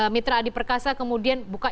mitra adi perkasa kemudian buka